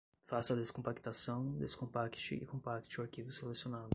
Faça a descompactação, descompacte e compacte o arquivo selecionado